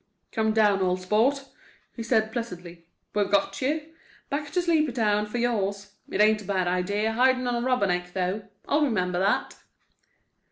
"Come down, old sport," he said, pleasantly. "We've got you. Back to Sleepytown for yours. It ain't a bad idea, hidin' on a Rubberneck, though. I'll remember that."